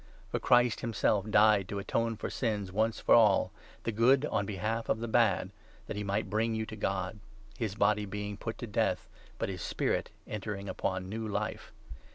For Christ himself died 18 to atone for sins once for all — the good on behalf of the bad — that he might bring you to God ; his body being put to death, but his spirit entering upon new Life.